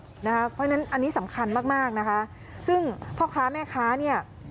เพราะฉะนั้นอันนี้สำคัญมากมากนะคะซึ่งพ่อค้าแม่ค้าเนี่ย